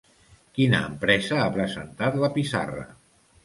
Quina empresa ha presentat la pissarra?